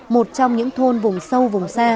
một trong những thôn vùng sâu vùng xa